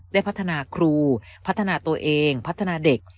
ได้พัฒนาครูพัฒนาตัวเองพัฒนาเด็ก